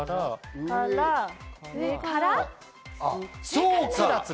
そうか！